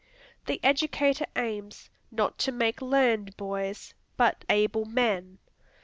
The educator aims, not to make learned boys, but able men.